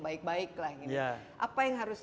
baik baik lah ini apa yang harus